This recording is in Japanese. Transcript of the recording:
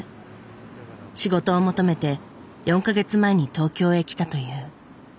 仕事を求めて４か月前に東京へ来たという。